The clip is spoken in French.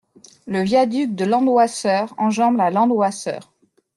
Le viaduc de Landwasser enjambe la Landwasser.